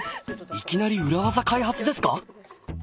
いきなり裏技開発ですか。